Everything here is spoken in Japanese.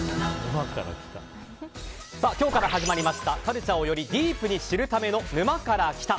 今日から始まりましたカルチャーをよりディープに知るための「沼から来た。」。